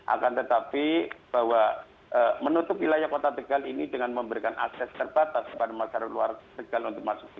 akan tetapi bahwa menutup wilayah kota tegal ini dengan memberikan akses terbatas kepada masyarakat luar tegal untuk masuk ke